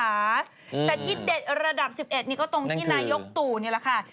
แต่ที่เด็ดระดับ๑๑นี่ก็ตรงที่นายกตู่นี่แหละค่ะ